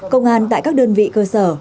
công an tại các đơn vị cơ sở